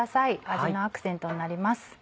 味のアクセントになります。